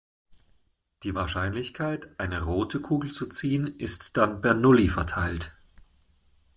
Die Wahrscheinlichkeit, eine rote Kugel zu ziehen, ist dann Bernoulli-verteilt.